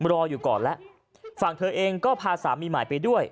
รออยู่ก่อนแล้วฝั่งเธอเองก็พาสามีใหม่ไปด้วย